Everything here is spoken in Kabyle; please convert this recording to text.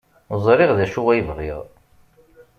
Ẓriɣ d acu ay bɣiɣ.